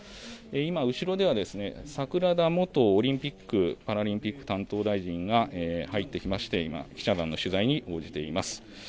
今、後ろでは櫻田元オリンピック・パラリンピック担当大臣が入ってきまして今、記者の取材に応じています。